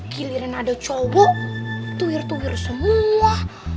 giliran ada cowok tuhir twir semua